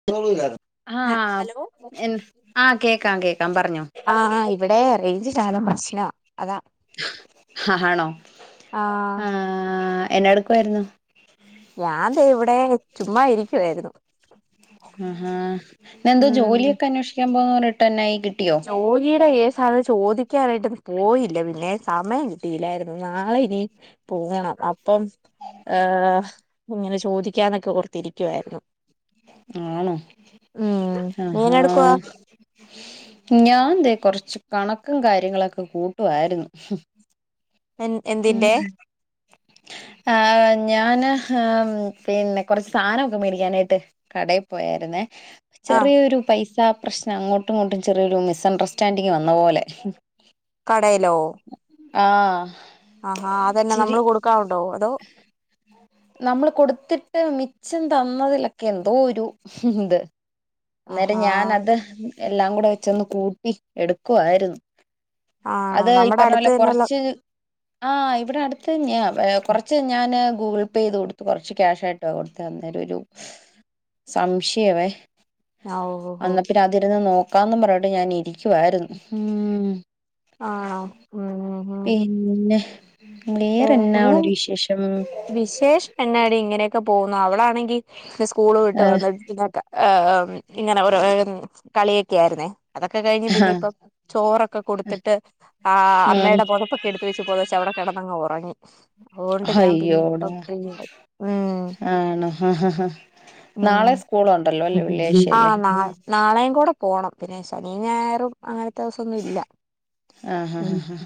[unintelligible] ആഹ് hello എൻ ആഹ് കേക്കാം കേക്കാം പറഞ്ഞോ ആഹ് ആ ഇവിടെ റേയ്ഞ്ച് ശകലം പ്രശ്നാ അതാ ഹാ ആണോ ആഹ് ആ എന്നാടുക്കുവായിരുന്നു ഞാൻ ദേ ഇവിടെ, ചുമ്മാ ഇരിക്കുവായിരുന്നു അ ആഹ് നെന്തോ ഉം ജോലിയൊക്കെന്വേഷിക്കാൻ പോവാർട്ടെന്നായി ക് ജോലി ഈടെയ്യേ സാധം ചോദിക്കാനായിട്ട് പോയില്ല പിന്നെ, സമയം കിട്ടിയില്ലായിരുന്നു നാളെ ഇനി പോണം അപ്പം ഏഹ് ഇങ്ങനെ ചോദിക്കാന്നൊക്കെ ഓർത്തിരിക്കുവായിരുന്നു ആണോ ഉം നീ ആഹാ എന്നാ എടുക്കുവാ ഞാൻ ദേ കൊറച്ച് കണക്കും കാര്യങ്ങളൊക്കെ കൂട്ടുവായിരുന്നു എൻ ഉം എന്തിന്റെ ആഹ് ഞാന് ഹാ പിന്നെ കൊറച്ച് സാനമൊക്കെ മേടിക്കാനായിട്ട് കടേ പോയായിരുന്നേ. ആഹ് ചെറിയൊരു പൈസ പ്രശ്നം. അങ്ങോട്ടും ഇങ്ങോട്ടും ചെറിയൊരു മിസ്സണ്ടർസ്റ്റാൻഡിങ് വന്ന പോലെ കടേലോ ആഹ് ആഹാ, അതെന്ന നമ്മള് കൊടുക്കാനുണ്ടോ അതോ ഉ നമ്മള് കൊടുത്തിട്ട് മിച്ചം തന്നതിലൊക്കെ എന്തോ ഒരു ത് അന്നേരം ആഹാ ഞാനത് എല്ലാം കൂടെ വെചൊന്ന് കൂട്ടി എടുക്കുവായിരുന്നു ആണോ അത് ഈ നമ്മുടെ അടുത്ത് പറഞ്ഞപോലെ തന്നെയുള്ള കൊറച്ച് ആഹ്, ഇവിടെ അടുത്ത്, ഞ എ കുറച്ച് ഞാന് ഗൂഗിൾ പേയ്തു കൊടുത്തു കുറച്ച് ക്യാഷായി ട്ട കൊടുത്തെ അന്നേരം ഒരു സംശയ വേ ഓ ഓ ഓ [unintelligible] ഇവടെ അതിരുന്ന് നോക്കാന്ന് പറഞ്ഞട്ട് ഞാാന ഇരിക്കുായിരുന്നു ഉ ആ ആഉം പിന്നെ വേറെന്ന ഉണ്ട് ശേഷം വിശേഷ എ ന്നാടി ഇങ്ങനെയൊക്കെ പോകുന്നു അവളാണെങ്കി സ്കൂള് വിട്ട് ആ വന്ന്ട്ട് പിന [unintelligible] കൈ ഇങ്ങനെ ഒരു കളിയൊക്കെ ആയിുന്നേ അതൊക്കെ കഴിഞ്ഞ് പിന്നെ ഇപ്പം ചോറൊക്കെ കൊടുത്തിട്ട് ആ അമ്മെടെ പൊതപ്പ് എടുത്ത വെച്ച് പൊതച്ച് അവടെ കിടന്നു അയ്യോടാ [unintelligible] ആണോ ആ ഹഹഹ നാളെ സ്കൂള ഉണ്ടല്ലോ അല്ലേ വെള്ളിയാഴ്ച അല്ലേ നാളെയുംകൂടെ പോണം പിന്നെ ഞായറും ശനി അങ്ങനത്തെ ദവസം ഒന്നുംഇല്ല ആഹ് ആഹ് ആഹ്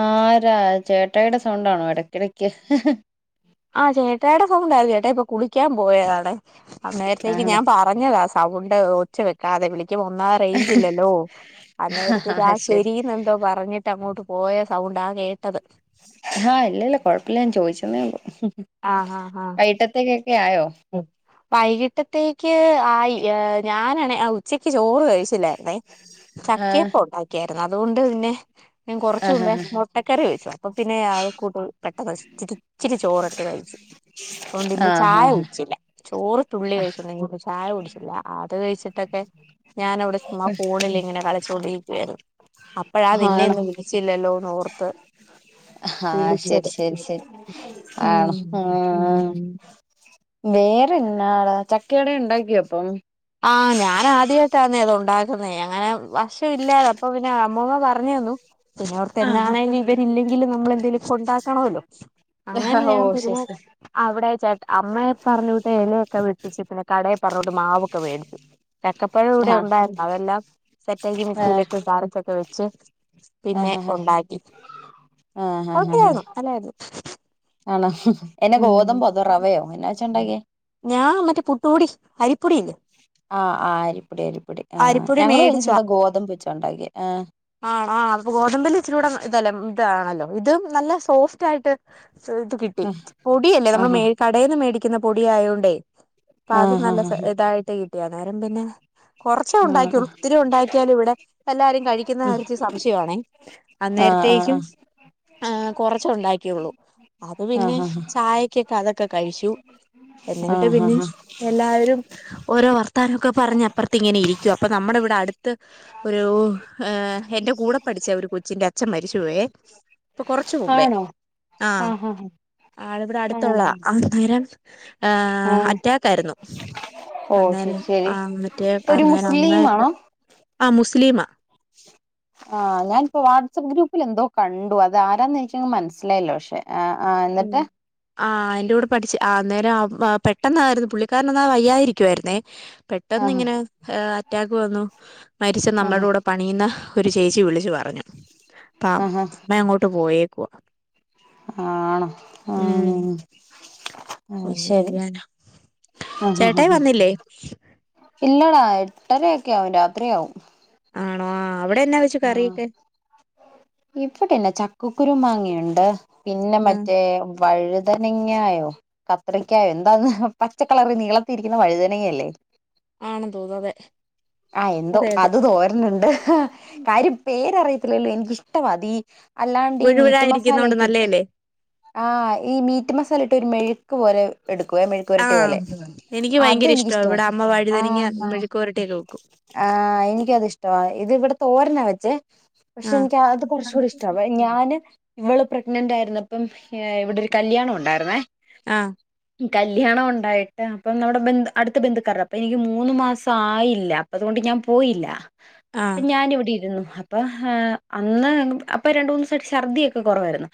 ആരാ ചേട്ടയുടെ സൗണ്ടാണോ ഇടക്കിടക്ക്ഹിഹി ഹി ആ ചേട്ടേയുടെ സൗണ്ടായി ചേട്ടാ ഇപ്പൊ കുളിക്കാൻ പോയതാണ് അന്നേരത്തേക്ക് ആണോ ഞാൻ പറഞ്ഞതാ സൗണ്ട് ഒച്ച വെക്കാതെ വിളിക്കു ഒന്നാ റേഞ്ച് ഇല്ലല്ലോ അന്നേരത്തേക്ക് ആ ആഹ് ശരി ശരിന്ന് എന്തോ പറഞ്ഞിട്ട് അങ്ങോട്ട് പോയ സൗണ്ട് ആ കേട്ടത് ആഹ ഇല്ലല്ല കൊഴപ്പില്ല ഞാൻ ചോദിച്ചന്നേള്ളൂ ആഹ് ആഹ് ആഹ് വൈകീട്ട് ത്തേക്കൊക്കെആയോ വൈകിട്ടത്തേക്ക് ആയി ഞാനണ ഉച്ചക്ക് ചോറ് കഴിച്ചില്ലായിുന്നേ ആഹ് ചക്കയപ്പോ ഉണ്ടാക്കിയായിരുന്നു അതൊണ്ട് പിന്നെ ഞാൻ ആഹ് കൊറച്ചൂമുൻപേ ആഹ് മുട്ടക്കറി വെച്ചു അപ്പൊ പിന്നെ ആ കൂട് പെട്ടെന്ന് തി രി ചി രി ചോറെടുത്ത് കഴിച്ചു അതുകൊണ്ട് ഇന്ന് ആഹ് ചായ ആഹ് കുടിച്ചില്ല ചോറ് തുള്ളി കഴിച്ചോണ്ട ചായ കുടിച്ചില്ല അത് കഴിച്ചിട്ടൊക്കെ ഞാൻ അവിടെ് [unintelligible] ഇങ്ങനെ കളച്ച്കൊണ്ടിരികായിരുന്നു അപ്പോഴാണു നിന്നെ ആണോ വിളിച്ചില്ല ഓർത്തത് ആഹ ശരി ശരി ശരി ആ ഉം ആ വേറെന്നാട ചക്കട ഉണ്ടാക്കിയ അപ്പം ആഹ് ഞാൻ ആദ്യമായിട്ടാന്നേ അത് ഉണ്ടാക്കുന്നേ അങ്ങനെ വഷം ഇല്ലാതെ അപ്പൊ പിന്നെ അമ്മമ്മ പറഞ്ഞു തന്നു ഓർത്ത് എന്താണെങ്കിലും ഇബര് ഇല്ലെങ്കിലും ഞമ്മള് എന്നെങ്കിലും കൊണ്ടകനല്ലോ അങ്ങന ഓ ഞാൻ ശരി പോവും ശരി അവിടെ ചേട്ട അമ്മയെ പറഞ്ഞിട്ട് ഇലയൊക്കെ വെട്ടിചിട്ട് പിന്നെ കട പറഞ്ഞോട്ട് മാവൊക്കെ മേടി ചക്കപ്പഴ കൂടെ ആഹ് ഉണ്ടായിരുന്നു അവെല്ലാം സെറ്റ ആഹ് [unintelligible] പിന്നെ ആഹ് ആഹ് ഉണ്ടാക്കി [unintelligible] ആന്നോ ഹും എന്താ ഉം ഗോതമ്പോ റവയോ എന്നാ വെച്ച ഉണ്ടാക്കിയേ ഞാൻ ഇന്നക് പുട്ട് പൊടി അരിപ്പൊടില്ലേ ആഹ് ആ അരിപോടി അരിപൊടി അരിപ്പൊടി ആഞങ്ങള്ൾ മേടിച്ചു കഴിഞ്ഞട്ട ഗോതമ്പ്ച്ച ഉണ്ടാക്കി ആ ആണ ആ അപ്പൊ ഗോതമ്പില് ഇച്ചിരി കൂടെ ഇതല്ല ഇതാണല്ലോ ഇതും നല്ല സോഫ്റ്റ് ആയിട്ട് കിട്ടി പൊടിയല്ലേ നമ്മൾ ആഹ് മ കടയിൽന്ന് മേടിക്കുന്ന പൊടി ആയോണ്ടേ പ്പാത് ആഹ് നല്ല ആഹ് സ് ഇതായിട്ട് കിട്ടിയ നേരം പിന്നെ കൊറച്ചേ ആഹ് ഉണ്ടാക്കിയുള്ളൂ ത്തിരി ഉണ്ടാക്കിയാലും വിടെ എല്ലാരും കഴിക്കുന്ന കാര്ക്ക് സംശയണേ ആഹ് അന്നേരത്തേക്കും ആ കൊറച്ച ഉണ്ടാക്കിയുള്ളൂ അത് പിന്നെ ആഹ് ആഹ് ചായക്കൊക്കെ അതൊക്കെ കഴിച്ചു എന്നിട്ട് ആഹ് പിന്നിം ആഹ് എല്ലാവരും ഓരോ വർത്താനൊക്കെ പറഞ്ഞ അപ്പറത്ത് ഇങ്ങനെ ഇരിക്ക അപ്പൊ നമ്മടെ വടെ അടുത്ത് ഒരു എൻറെ കൂടെ പഠിച്ച ഒരു കൊച്ചിറെ അച്ഛൻ മരിച് പോയെ പ്പൊ കൊറച്ചു മുമ്പേ ആണോ ആഹ് ഹാ ആളവടെ അടുത്തുള്ള അന്നേരം ആഹ് ഏഅറ്റാക്ക് ആയിരുന്നു ഓ ശരി അന്നേരം ശരി ആ മറ്റേ ഒരു അന്നേരം മുസ്ലിമാണോ ആ മുസ്ലിമാ ആഞാനിപ്പോ വാട്സ്ആപ്പ് ഗ്രൂപ്പിൽ ന്തോ കണ്ടു അത് ആരാന്ന് എനിക്കങ്ങ് മനസ്സിലായില്ല പക്ഷെ ആഹ് ആഹ് ഉ എന്നിട്ട് [unintelligible] ആ ൻ്റെ കൂടെ പഠിച്ച് ആ നേരം പെട്ടെന്നായിരുന്നു പുള്ളിക്കാരൻന്നാ വയ്യായിരിക്കുവായിരുന്നേ ആഹ് പെട്ടന്ന്ങ്ങനെ അറ്റാക്ക് വന്നു മരിച്ച ആഹ് നമ്മളുടെ കൂടെ പണിയുന്ന ഒരു ചേച്ചി വിളിച്ചു പറഞ്ഞു അപ്പ ആഹ് അമ്മ അങ്ങോട്ട് പോയേക്കവാ ആണോ ഉം ആഹ് ആഹ് പിന്നെ ശരി ചെയ്യാനാ ആഹ് ചേട്ടായി ആഹ് വന്നില്ലേ ഇല്ലടാ എട്ടരയക്കെ ആകും രാത്രിയാവും ആണോ അവിടെ എന്നാ വി ആഹ് ഇപ്പടെന്നെ ചക്കക്കുരു മാങ്ങയുണ്ട് പിന്നെ ആ മറ്റേ വഴുതനങ്ങായോ കത്രക്കായോ എന്താന്ന് പച്ചക്കളറി നീളത്തിരിക്കുന്ന വഴുതന അല്ലേ ആണെന്ന് തോന്നുന്നു അതെ ആഹ് എന്തോ അതെ അതെ അത് തോരനുണ്ട് കാര്യം പേരറിയത്തില്ലല്ലോ എനിക്കിഷ്ടമാതീ അല്ലാണ്ട്ഈ മീറ്റ് മുഴുവഴായിരിക്കുന്നോണ്ട് മസാലയക്കെ ഇട്ട് നല്ലയല്ലേ ആഹ് ഈ മീറ്റ് മസാലയിട്ട് ഒരു മെഴുക്ക് പോലെ എടുക്കുവ മെ ആ പുരട്ടി പോലെ എനിക്ക് ഭയങ്കര ഇഷ്ട അതെനിക്കിഷ്ട ഇവിടെ അമ്മ വഴുതനങ്ങ ആഹ് മെഴുക്കുവരട്ടിയൊക്കെ വെക്കും ആഹ് എനിക്കത് ഇഷ്ടവാ ഇത് ഇവിടെ തോരനാ വെച്ചേ പക്ഷെ ആഹ് എനിക്ക് അത് കുറച് കൂടി ഇഷ്ട വെ ഞാാന് ഇവള് പ്രഗ്നന്റ് ആയിരുന്നപ്പം ഇവിടെ ഒരു കല്യാണം ഉണ്ടായിരുന്നേ ആഹ് കല്യാണം ഉണ്ടായിട്ട് അപ്പൊ നമ്മുടെ ബന് അടുത്ത ബന്ധുക്കർ അപ്പൊ എനിക്ക് മൂന്ന് മാസം ആയില്ല അതുകൊണ്ട് ഞാൻ പോയില്ല ആഹ് പ്പം ഞാന് ഇവിടെ ഇരുന്നു അപ്പൊ ആഹ് അന്ന് അപ്പൊ രണ്ട് മൂന്ന്സ ഒര് ഛർദിയൊക്കെ കുറവായിരുന്നു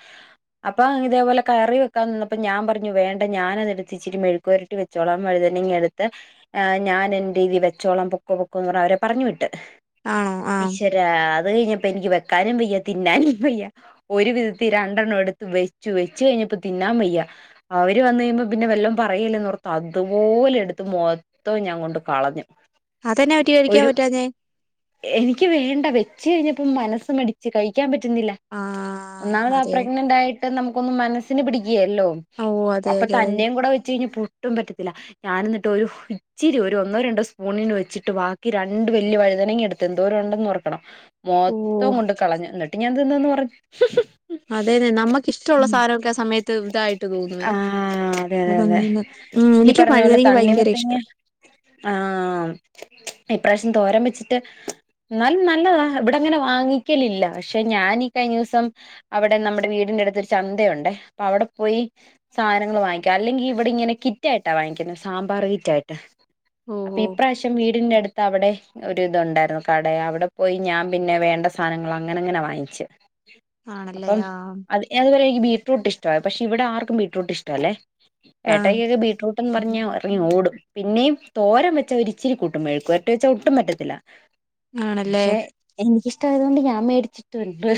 അപ്പൊ ഇതേപോലെ കറി വെക്കാൻ നിന്നപ്പോ ഞാൻ പർഞ്ഞു വേണ്ടഞാനത് എടുത്തിച്ചിരി മെഴ പൊര്ട്ടി വെച്ചോളാം വഴുതന്നെ ഇങ്ങെടുത്ത് ആഹ് ഞാൻ എന്റെ രീതി വെച്ചോളം പൊക്ക പൊക്ക എന്ന് പറഞ്ഞ് അവരെ പറഞ്ഞു വിട്ട് ആണോ ആഹ് ഈശ്വരാ അത് കഴിഞ്ഞപ്പ എനിക്ക് വെക്കാനും പയ്യ തിന്നാനും വയ്യ ഒരു വിധത്തി രണ്ടെണ്ണം എടുത്ത് വെച്ചു വെച്ച് കഴിഞ്ഞപ്പോ തിന്നാൻ വയ്യ അവര് വന്ന് കഴിയുമ്പോം പിന്നെ വെല്ലം പറയല്ലെന്ന്ഓർത്ത് അതുപോലെ എടുത്ത് മോ തോം ഞാൻ കൊണ്ട് കളഞ്ഞു അതെന്നാ വറ്റി കഴിക്കാൻ ഒരു പറ്റാഞെ എനിക്ക് വേണ്ട വെച്ചഴിഞ്ഞപ്പം മനസ്സ മടിച്ച് കഴിക്കാൻ പറ്റുന്നില്ല ആഹ് ഒന്നാമത ആ അതെ പ്രഗ്നന്റ് ആയിട്ട് നമുക്കൊന്ന് മനസ്സിന് പിടികില്ലോ ഓ അതെ അപ്പൊ അതെ അതെ തന്നെയും കൂടെ വെച്ച്ഴിഞ്ഞ പൊട്ടും പറ്റത്തില്ല ഞാൻ എന്നിട്ട് ഒരു ഇച്ചിരി ഒരു ഒന്നോ രണ്ടോ സ്പൂണിന് വെച്ചിട്ട് ബാക്കി രണ്ട് വലിയ വഴുതനങ്ങി എടു തെന്തോരം ഉണ്ടന്ന് റക്കണം ഓ മൊത്തം കൊണ്ട് കളഞ്ഞു എന്നിട്ട് ഞാൻ തിന്നന്ന് പറഞ്ഞു അതെതെ നമ്മുക്ക് ഇഷ്ടമുള്ള ഉം സാധനമൊക്കെ ആ സമയത്ത് ഇതായിട്ട് തോന്നുവേ ആഹ് അതെ അതെ അതെ അതങ്ങെ ഉം ഈ എനിക്ക് പറഞ്ഞ പോലെ പഴുതനെങ്ങ ഭയങ്കര ഇഷ്ട തണ്ണിമത്തങ്ങ ആഹ് ഇപ്രാവശ്യം തോരം വെച്ചിട്ട് ന്നാലും നല്ലതാ ഇവിടെങ്ങനെ വാങ്ങിക്കലില്ല പക്ഷെ ഞാനീ കഴിഞ്ഞവസം അവിടെ നമ്മുടെ വീടിന്റെ അടുത്ത് ചന്തയുണ്ട് അപ്പൊ അവിടെ പോയി സാധനങ്ങൾ വാങ്ങിക്ക അല്ലെങ്കിൽ ഇവിടെങ്ങനെ കിറ്റായിട്ടാ വാങ്ങിക്കുന്നത് സാമ്പാർ കിറ്റായിട്ട് ഓ അപ്പൊ ഓ ഇപ്രാവശ്യം വീടിന്റെ അടുത്ത് അവിടെ ഒരു ഇതുണ്ടായിരുന്നു കട അവിടെ പോയി ഞാൻ പിന്നെ വേണ്ട സാനങ്ങൾ അങ്ങനെ അങ്ങനെ വാങ്ങിച് ആണല്ലേ അപ്പം ആഹ് അത് അതുപോലെ എനിക്ക് ബീടറൂട്ട് ഇഷ്ട പക്ഷെ ഇവിടെ ആർക്കും ബീടറൂട്ട് ഇഷ്ടല്ലെ ആഹ് ഏട്ടയ് ബീട്റൂട്ട്ന്ന് പറഞ്ഞ ഇറങ്ങിഓടും പിന്നെയും തോരം വെച്ചാ ഒരിച്ചിരി കൂട്ടും മെഴുകിവെര്റ്റി വെച്ചാ ഒട്ടും പറ്റത്തില്ല ആണല്ലേ ക്ഷെ എനിക്കിഷ്ടായോണ്ട് ഞാൻ മേടിച്ചിട്ടുംണ്ട്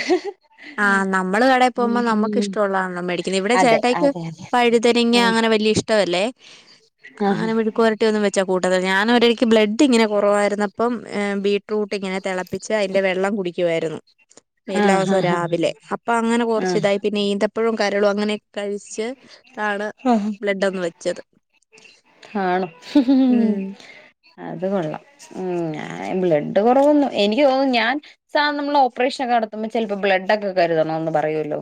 ആഹ് നമ്മള് കടയിൽ പോകുമ്പോൾ നമ്മുക്ക് ഇഷ്ടമള്ളതാണോ മേടിക്കുന്നത് ഇവിടെ അതെ ചേട്ടേയ്ക്ക് അതെ അതെ വഴുതനിങ്ങ ഉം അങ്ങനെ വലിയ ഇഷ്ടവല്ലേ ആഹ് അങ്ങനെ മെഴുകു റ്റൊന്നും വെച്ചാ കൂട്ടത്ത ഞാനൊ ഒരിക്ക് ബ്ലഡ്ങ്ങനെ കുറവായിരുന്നപ്പം എഹ് ബീട്രൂട്ട് ഇങ്ങനെ തിള പ്പിച്ച് അയ്ന്റെ വെള്ളം കുടിക്കുവായിരുന്നു [unintelligible] ആഹ് പൊ ആഹ് രാവിലെ അപ്പൊ അങ്ങനെ കൊറച്ച് ആഹ് ഇതായി പിന്നെ ഈന്തപ്പഴും കരളും അങ്ങനെൊക്കെ കഴിച്ച് താണ് ബ്ലഡ് ഒന്ന് വെച്ചത് അണോ ഉം അത് കൊള്ളാം ഉം ഞ ആഹ് ബ്ലഡ് കുറവൊന്നു എനിക്ക് തോന്നുന്നു ഞാൻ സാ നമ്മൾ ഓപ്പറേഷനൊക്കെ നടത്തുമ്പോൾ ചിലപ്പോ ബ്ലഡ് ഒക്കെ കരുതണ എന്ന് പറയുല്ലോ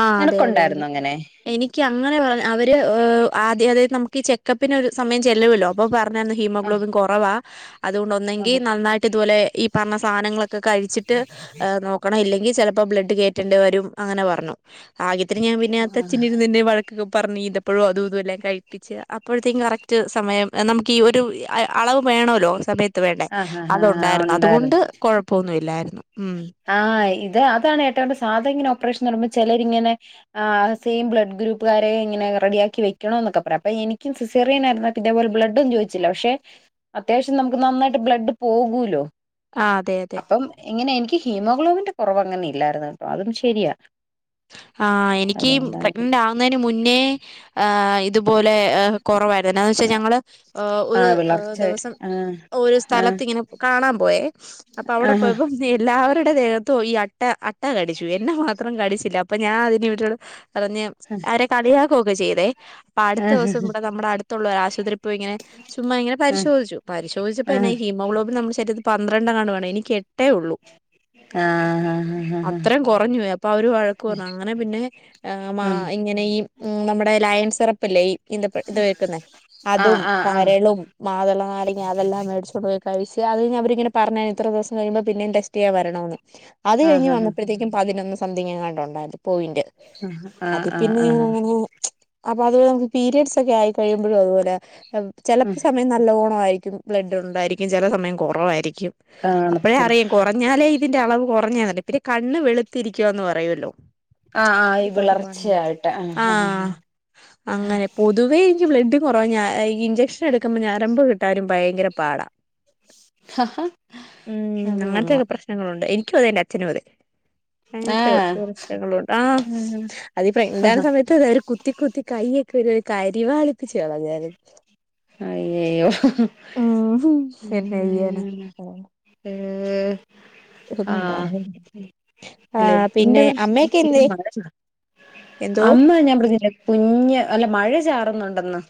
ആഹ് അതെ അതെ അതെ നിനക്കുണ്ടായിരുന്നു അങ്ങനെ എനിക്ക് അങ്ങനെ പറ അവര് ആദ്യം അതായത് നമക്ക് ഈ ചെക്കപ്പിന് ഒരു സമയം ചെല്ലൂല്ലോ അപ്പൊ പറഞ്ഞരുന്നു ആഹ് ഹീമോഗ്ലോബിൻ കുറവാ അതുകൊണ്ട്ന്നെങ്കിൽ ആഹ് നന്നായിട്ട് ഇതുപലെ ഈ പറഞ്ഞ സാധനങ്ങള ഒക്കെ കഴിച്ചിട്ട് നോക്കണം ഇല്ലെങ്കി ചിലപ്പോ ബ്ലഡ് കേറ്റേണ്ടി വരും അങ്ങനെ പറഞ്ഞു ആഗ്യത്തിന് ഞാൻ പിന്നെ അത്തച്ഛിന ഇരുന്ന് വ പറഞ്ഞ് ഇതപ്പഴും അതും ഇതുമ എല്ലാം കഴിപ്പിച്ച് അപ്പോഴത്തേക്കും കറക്റ്റ് സമയം നമക്ക് ഈ ഒരു അളവ് വേണല്ലോ സമയത്ത് വേണ്ടേ ആഹ് ആഹ് ആഹ് അത്ണ്ടായിരുന്നു ഉണ്ടായിരുന്നു അതുകൊണ്ട് കൊഴപ്പ പ്പന്നുല്ലരുന്നു ഉം ആഹ് ഇത് അതാണ് ഏട്ടണ്ട് സാധാ ഇങ്ങനെ ഓപ്പറേഷൻ പറയ്മ്പ ചിലരിങ്ങനെ ആ് സെം ബ്ലഡ് ഗ്രൂപ്പുകാരെ ഇങ്ങനെ റെഡിയാക്കി വെക്കണോ എന്നൊക്കെ പറയാം അപ്പൊ എനിക്ക സിസേറിയൻയിരുന്ന ഇതേപോലെ ബ്ലഡും ചോദിച്ചില്ല പക്ഷെ അത്യാവശ്യം നമുക്ക് നന്നായിട്ട് ബ്ലഡ് പോകൂല്ലോ ആഹ് അതെ അതെ അപ്പം ഇങ്ങനെ എനിക്ക് ഹീമോഗ്ലോബിന്റെ കുറവ് അങ്ങനെ ഇല്ലായിരുന്നു ട്ടോ അതും ശരിയാ ആഹ് എനിക്ക് അതെന്തായാലും പ്രഗ്നന്റ് ആവുന്നതിന് മുന്നേ ആ ഇതുപോലെ കുറവായിുന്ന എന്ന വെച്ചാ ഞങ്ങള് ഒരു ആഹ് വിളർച്ച വരും ദിവസം ഒരു ആഹ് സ്ഥലത്ത് ഇങ്ങനെ കാണാൻ പോയേ അപ്പൊ അവിടെ ആഹ് പോയപ്പം എല്ലാവരുടെ ദേഹത്തോ ഈ അട്ട അട്ട കടിച്ചു എന്നെ മാത്രം കടി ഞാൻ അതിനന് വീട്ട പറഞ്ഞഞ് അവരെ കളിയാക്കുവൊക്കെ ചെയ്തേ അപ്പൊ അടുത്ത ആഹ് ദിവസം കൂടെ നമ്മുടെ അടുത്തുള്ള ഒരു ആശുപത്രിപ്പോയി ഇങ്ങനെ ചുമ്മങ്ങനെ പരിശോധിച്ചു പശോധിച്ചപ്പോ എന്ന ആഹ് ഹീമോഗ്ലോബി നമ്മടെ ശരീ പന്ത്രണ്ടെങ്ങാണ്ടോ ആണ് എനിക്ക് എട്ടേ ഉള്ളൂ ആഹ് ആഹ് ആഹ് ആഹ് ആഹ് അത്രയും കുറഞ്ഞു പോയി അപ്പൊ അവര് വഴ ക് അങ്ങനെ പിന്നെ ഉം ഇങ്ങനെ ഈ നമ്മടെ ലയൻ സെറപ്പല്ലേ ഈ ഇ ഇത് വക്കുന്ന അതും ആഹ് ആഹ് ആഹ് കരളും മാതള നാരങ്ങ അതെല്ല മേടിച്ചച്ച് കൊണ്ടോയി കഴിച്ച അത് ഞാ അവരിങ്ങന പറഞ്ഞ ഇത്രിവസം കഴിയ്പൾ പിന്നിം വരണമന്ന് അത് കഴിഞ്ഞ് ആഹ് വന്നപ്പോഴത്തേക്കും പതിനൊന്ന് സംതിങ്ങാണ്ടുണ്ടായിത് പോയിന്റ് അത് ആഹ് ആഹ് പിന്നെ ആഹ് ഇങ്ങനെ അപ്പൊ അതു പീരയഡ്സ് ഒക്കെ ആയി കഴിയുമ്പോഴും അതുപോലെ ആഹ് ചിലപ്പോ സമയം നല്ലോണം ആയിരിക്കും ബ്ലഡ് ഉണ്ടായിരിക്കും ചില സമയം കുറവായിരിക്കും അപ്പഴേ കാണത്തില്ല അറിയാം കൊറേ ഞ്ഞാലേ ഇതിന്റെ അളവ് കുറഞ്ഞന്നണ്ട് പിന്നെ കണ്ണ് വെളുത്തിരിക്കുവയന്ന് പറയല്ലോ ആഹ് ആഹ് ഈ വിളർച്ചയായിട്ട് ആഹ് അങ്ങനെ പൊതുവേ എനിക്ക് ബ്ലഡ് കൊറവ ഇഞ്ചെക്ഷൻ എടുക്കുമ്പോ ഞരമ്പ് കിട്ടാനും ഭയങ്കര പാടാ ഉം അത് കൊള്ളാം അങ്ങനത്തെയൊക്കെ പ്രശ്ന- ങ്ങളണ്ട് എനക്കും അതെ എന്റെ അച്ഛനും അതെ ആഹ് ങ്ങളണ്ട് ആ അതിപ്പ എന്താണ് സമയത്ത് കുത്തി കുത്തി കയ്യൊക്കെ ഒരു കരിവാളിച് കളഞ്ഞായിരുന്നു അയ്യ യ്യോ ഉം എന്നാ ചെയ്യാനാ ഒന്നും ആഹ് പറഞ്ഞില്ല ആഹ് ബ്ലഡ്‌ ന്റെ പിന്നെ അമ്മയൊക്കെ എന്തേ പ്രശ്ന- എന്തോ അന്ന് ഞാൻ ഇവിടെ കുഞ്ഞ് അല്ല മഴ ചാറുന്നുണ്ടന്ന്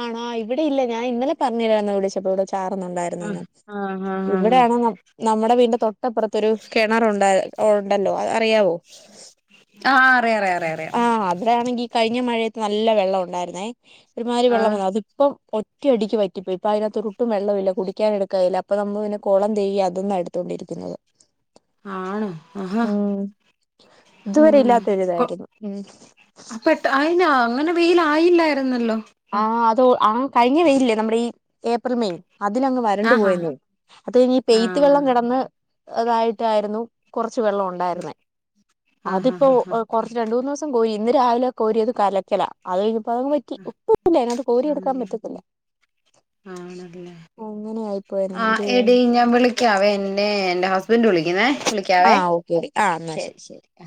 ആണോ ഇവിടെ ഇല്ല ഞാൻ ഇന്നലെ പറഞ്ഞ തരന്ന വിളിച്ചപ്പോ ഇവിടെ ആഹ് ചർന്നണ്ടായിരുന്നെന്നും ആഹ് ആഹ് ആഹ് ഇവിടെയാണോ നമ്മടെ വീടിന്റെ തൊട്ടപ്പറത്തരു കിണറുണ്ടല്ലോ അത അറിയാവോ ആഹ് അറിയ അറിയ അറിയ ആഹ അത്രടെയാണെങ്കിൽ കഴിഞ്ഞ മഴയത്ത് നല്ല വെള്ളം ഉണ്ടായിരുന്ന ഒരുമാതിരി ആഹ് വെള്ളം അത് പ്പൊ ഒറ്റയടിക്ക് വറ്റിപ്പോയിപ്പൊയി അതിനകൊരുട്ടും വെള്ളമില്ല കുടിക്കൻ എടുക്കല്ല അപ്പൊ നമ്മെ കുളം തേക അതന്ന എടു- ണ്ടിരിക്ക്ന്നത് ആണോ ആഹാ ഉം ഇതുവരെ ഇല്ലാത്തൊരിതായിരുന്നു അപ്പട്ട അയിന അങ്ങനെ വെയില ആയില്ലായിരുന്നല്ലോ? ആ അത ആ കഴിഞ്ഞ വെയില്ലേ നമ്മുടെ ഈ ഏപ്രിൽ മെയ് അതിലങ്ങ് വരണ്ടു ആഹ് ആഹ് പോയിരുന്നത് അത് ഈ പെയ്ത്ത് വെള്ളം കിടന്ന് അതായിട്ടായിരുന്നു. കുറച്ച് വെള്ളം ഉണ്ടായിരുന്നേ ആഹ് ആഹ് അതിപ്പോ ആഹ് ആഹ് കുറച്ച് രണ്ട് മൂന്ന് ദിവസ- കോരി ഇന്ന് രാവിലെ കോരി അത് കലയ്ക്കല അത് കഴിഞ്ഞപ്പോ അത് പറ്റി ഒപ്പ അതിനകത്ത് കോരി എടുക്കാൻ ആഹ് പറ്റത്തില്ല ആണല്ലേ അങ്ങനെ ആയിപ്പോയ ആ എടി ഞാൻ വിളിക്കാവേ എൻറെ എന്റെ ഹസ്ബൻഡറ് വിളിക്കുന്നേ വിളിക്കാവേ? ഓ ആ ശരി ശരി ആ